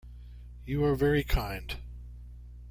You are very kind.